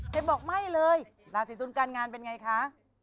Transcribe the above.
บอกไม่เลยราศีตุลการงานเป็นไงคะ